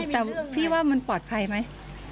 แต่พี่ว่ามันปลอดภัยไหม